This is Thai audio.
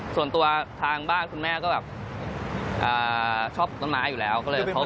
ส่วนตัวทางบ้านคุณแม่ก็แบบชอบต้นไม้อยู่แล้วก็เลยพบ